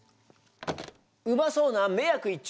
うまそうな迷惑一丁！